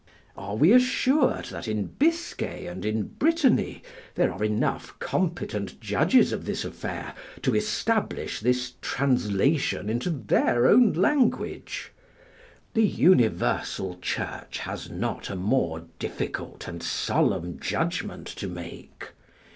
Are we assured that in Biscay and in Brittany there are enough competent judges of this affair to establish this translation into their own language? The universal Church has not a more difficult and solemn judgment to make.